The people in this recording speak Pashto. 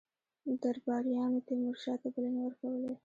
درباریانو تیمورشاه ته بلنې ورکولې.